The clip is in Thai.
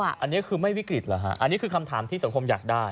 อันนี้คือไม่วิกฤตเหรอฮะอันนี้คือคำถามที่สังคมอยากได้